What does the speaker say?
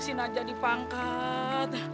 nanti aja dipangkat